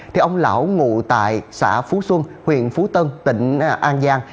thì ông lão ngụ tại xã phú xuân huyện phú tân tỉnh an giang